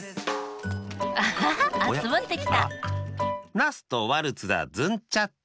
ナスとワルツだズンチャッチャ。